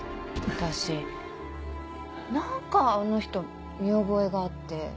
私何かあの人見覚えがあって。